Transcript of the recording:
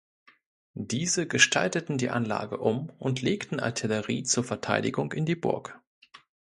Diese gestalteten die Anlage um und legten Artillerie zur Verteidigung in die Burg.